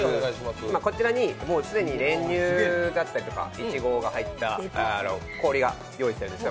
こちらに既に練乳だったり、いちごが入った氷を用意しています。